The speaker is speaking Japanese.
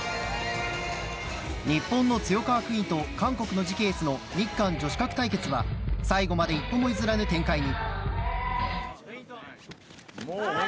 日本のツヨカワクイーンと韓国の次期エースの日韓ジョシカク対決は最後まで一歩も譲らぬ展開に。